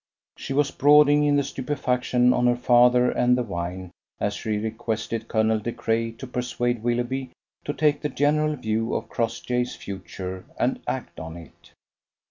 She was brooding in stupefaction on her father and the wine as she requested Colonel De Craye to persuade Willoughby to take the general view of Crossjay's future and act on it.